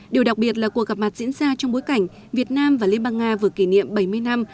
điều đặc biệt là cuộc gặp mặt diễn ra trong bối cảnh việt nam và liên bang nga vừa kỷ niệm bảy mươi năm